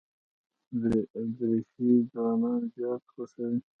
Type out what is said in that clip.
دریشي ځوانان زیات خوښوي.